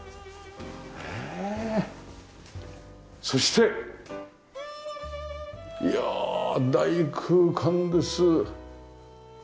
そしていや大空間です。